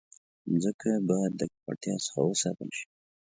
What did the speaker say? مځکه باید د ککړتیا څخه وساتل شي.